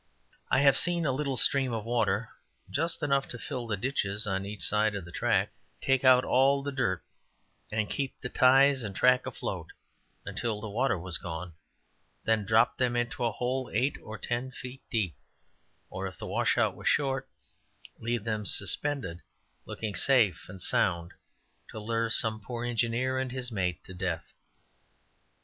I have seen a little stream of water, just enough to fill the ditches on each side of the track, take out all the dirt, and keep the ties and track afloat until the water was gone, then drop them into a hole eight or ten feet deep, or if the washout was short, leave them suspended, looking safe and sound, to lure some poor engineer and his mate to death.